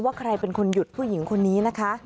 ใครเป็นคนหยุดผู้หญิงคนนี้นะคะ